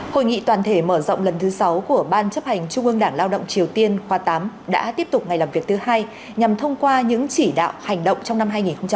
hội nghị toàn thể mở rộng lần thứ sáu của ban chấp hành trung ương đảng lao động triều tiên khoa tám đã tiếp tục ngày làm việc thứ hai nhằm thông qua những chỉ đạo hành động trong năm hai nghìn hai mươi